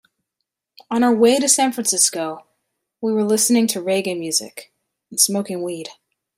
On our way to San Francisco, we were listening to reggae music and smoking weed.